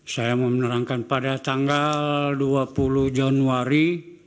saya mau menerangkan pada tanggal dua puluh januari dua ribu dua puluh empat